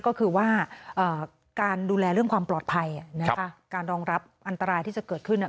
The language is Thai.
ก็คือว่าการดูแลเรื่องความปลอดภัยนะคะการรองรับอันตรายที่จะเกิดขึ้น